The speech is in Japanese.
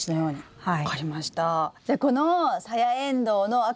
はい。